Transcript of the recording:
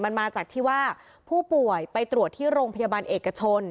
มันมาจากที่ว่าผู้ป่วยไปตรวจที่โรงพยาบาลเอกชน